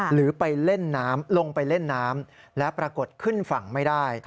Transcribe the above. หรือไปเล่นน้ำลงไปเล่นน้ำแล้วปรากฏขึ้นฝั่งไม่ได้